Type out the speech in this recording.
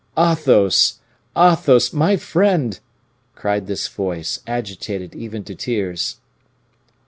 "Athos! Athos! my friend!" cried this voice, agitated even to tears.